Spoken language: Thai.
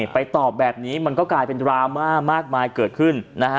ไปตอบแบบนี้มันก็กลายเป็นดราม่ามากมายเกิดขึ้นนะฮะ